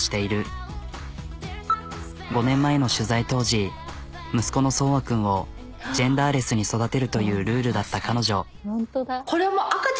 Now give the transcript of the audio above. ５年前の取材当時息子の蒼和君をジェンダーレスに育てるというルールだった彼女。